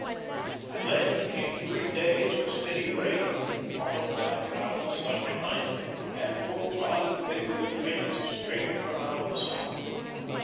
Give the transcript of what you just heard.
At length came three days of steady rain, followed by cloudless sunshine and full bodied, vigorous winds straight from out the south.